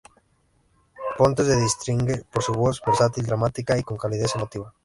Pontes se distingue por su voz versátil, dramática y con calidez emotiva.